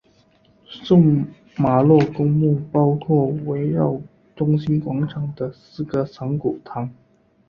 圣玛洛公墓包括围绕中心广场的四个藏骨堂。